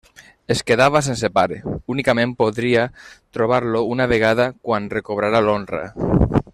Es quedava sense pare: únicament podria trobar-lo una altra vegada quan recobrara l'honra.